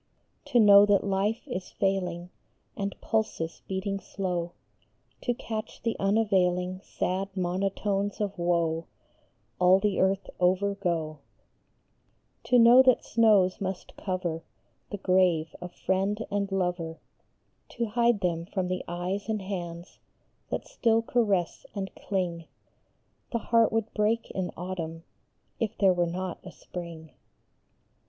To know that life is failing And pulses beating slow ; To catch the unavailing Sad monotones of woe All the earth over go ; To know that snows must cover The grave of friend and lover, To hide them from the eyes and hands That still caress and cling ; The heart would break in autumn If there were not a spring